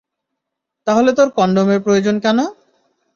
তাহলে তোর কনডমের প্রয়োজন কেন?